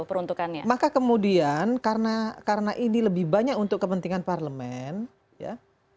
peruntukannya maka kemudian karena ini lebih banyak untuk kepentingan parlemen ya